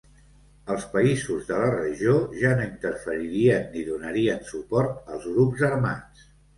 Els països de la regió ja no interferirien ni donarien suport als grups armats.